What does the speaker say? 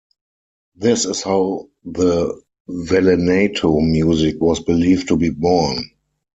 This is how the Vallenato music was believed to be born.